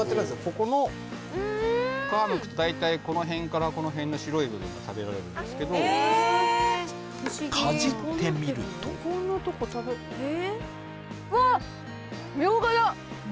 ここの皮剥くと大体この辺からこの辺の白い部分が食べられるんですけどえっかじってみるとうんそうなんです